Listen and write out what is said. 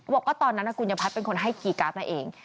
บอกว่าตอนนั้นกุญญพัฒน์เป็นคนให้คีย์การ์ดมาเอง